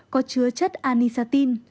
có chứa chất anisatin